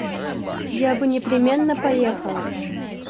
Я бы непременно поехала.